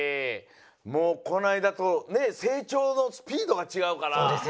もうこのあいだとねせいちょうのスピードがちがうから。